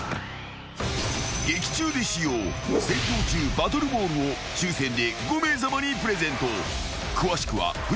［劇中で使用戦闘中バトルボールを抽選で５名さまにプレゼント］